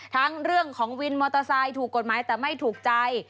ทั้งเรื่องของวินมอเตอร์ไซค์ถูกกฎหมายแต่ไม่ถูกใจ